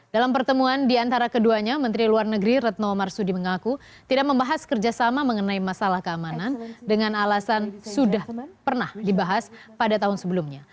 dalam pertemuan di antara keduanya menteri luar negeri retno marsudi mengaku tidak membahas kerjasama mengenai masalah keamanan dengan alasan sudah pernah dibahas pada tahun sebelumnya